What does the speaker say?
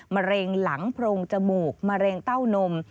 มะเร็งหลังโพรงจมูกมะเร็งเต้านม